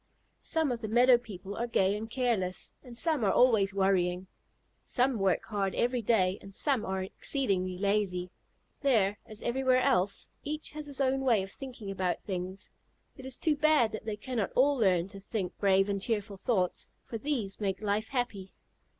Some of the meadow people are gay and careless, and some are always worrying. Some work hard every day, and some are exceedingly lazy. There, as everywhere else, each has his own way of thinking about things. It is too bad that they cannot all learn to think brave and cheerful thoughts, for these make life happy.